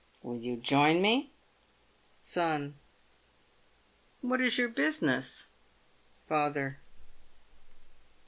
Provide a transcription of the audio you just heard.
Will you join me ? Son. What is your business ? Father.